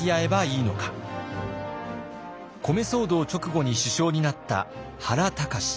米騒動直後に首相になった原敬。